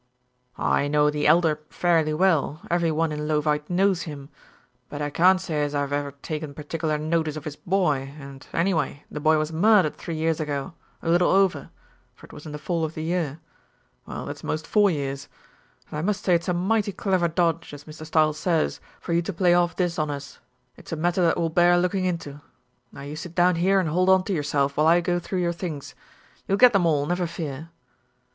"I know the Elder fairly well every one in Leauvite knows him, but I can't say as I've ever taken particular notice of his boy, and, anyway, the boy was murdered three years ago a little over for it was in the fall of the year well, that's most four years and I must say it's a mighty clever dodge, as Mr. Stiles says, for you to play off this on us. It's a matter that will bear looking into. Now you sit down here and hold on to yourself, while I go through your things. You'll get them all, never fear."